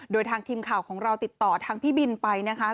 โดยทางทีมข่าวของเราติดต่อทางพี่บินไปนะคะ